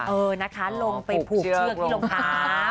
เออนะคะลงไปผูกเชือกที่รองเท้า